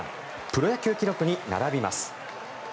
プロ野球記録に並びます。